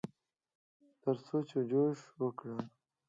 ترڅو چې جوښ وکړي.